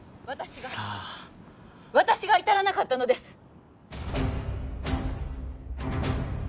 さあ私が至らなかったのです